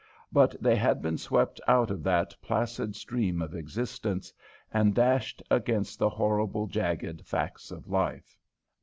But they had been swept out of that placid stream of existence, and dashed against the horrible, jagged facts of life.